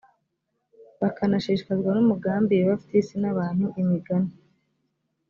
bakanashishikazwa n umugambi yehova afitiye isi n abantu imigani